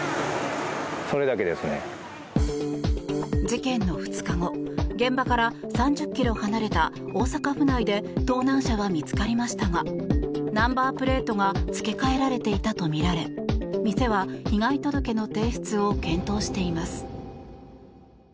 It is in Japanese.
事件の２日後現場から３０ｋｍ離れた大阪府内で盗難車は見つかりましたがナンバープレートが付け替えられていたとみられ店は、被害届の提出を検討しています。